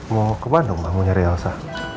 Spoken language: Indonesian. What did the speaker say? mau ke bandung ma mencari elsa